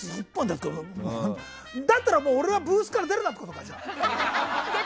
だったら、俺はブースから出るなってことか？